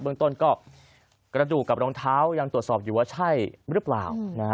เมืองต้นก็กระดูกกับรองเท้ายังตรวจสอบอยู่ว่าใช่หรือเปล่า